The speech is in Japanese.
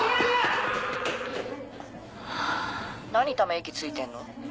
何ため息ついてんの？